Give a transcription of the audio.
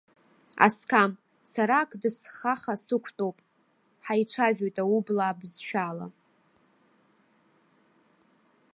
Асқам, сара ақдыхсаха сықәтәоуп, ҳаицәажәоит аублаа бызшәала.